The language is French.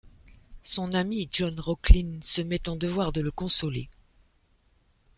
Son ami John Rocklin se met en devoir de le consoler.